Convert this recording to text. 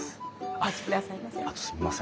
お待ちくださいませ。